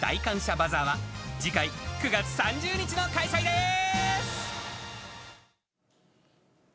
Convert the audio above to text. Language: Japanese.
バザーは、次回９月３０日の開催でーす。